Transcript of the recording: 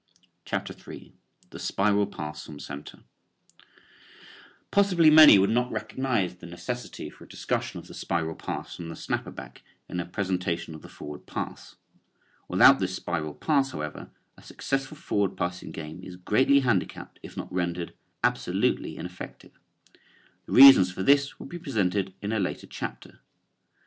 CHAPTER III. THE SPIRAL PASS FROM CENTER. Possibly many would not recognize the necessity for a discussion of the spiral pass from the snapper back in a presentation of the forward pass. Without this spiral pass, however, a successful forward passing game is greatly handicapped if not rendered absolutely ineffective. The reasons for this will be presented in a later chapter.